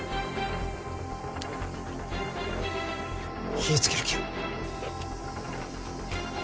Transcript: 火ぃつける気や。